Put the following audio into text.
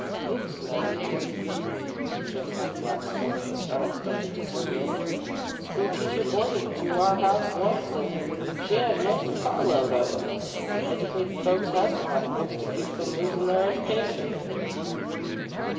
"Books, maybe," suggested the blacksmith, with unexpected discernment. "Schoolteacher boarded to our house wunst an' she had most a car load of 'em. Educated folks has to have books to keep from losin' their education."